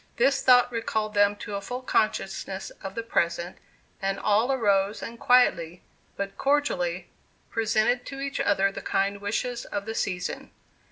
This thought recalled them to a full consciousness of the present, and all arose and quietly, but cordially, presented to each other the kind wishes of the season.